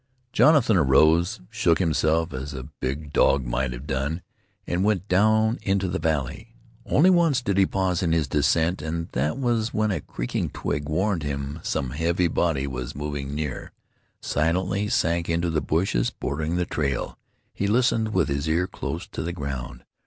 Jonathan arose, shook himself as a big dog might have done, and went down into the valley. Only once did he pause in his descent, and that was when a crackling twig warned him some heavy body was moving near. Silently he sank into the bushes bordering the trail. He listened with his ear close to the ground.